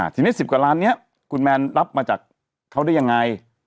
ทีนี้๑๐กว่าล้านนี้คุณแมนรับมาจากเขาได้ยังไง